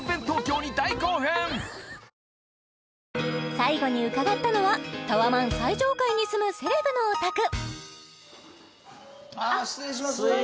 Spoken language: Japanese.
最後に伺ったのはタワマン最上階に住むセレブのお宅失礼します